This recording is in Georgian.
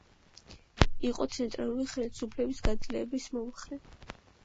იყო ცენტრალური ხელისუფლების გაძლიერების მომხრე.